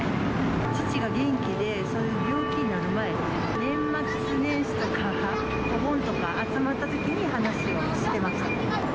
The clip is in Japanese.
父が元気でそういう病気になる前に、年末年始とか、お盆とか集まったときに話をしてました。